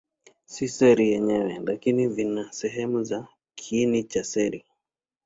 Si seli yenyewe, lakini vina sehemu za kiini cha seli.